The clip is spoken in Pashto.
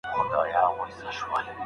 د کتاب لوستل غوره او نېک عادت دی.